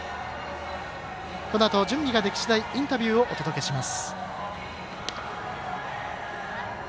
このあと準備が出来しだいインタビューをお届けします。